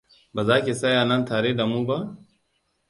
Ba za ki tsaya nan tare da mu ba?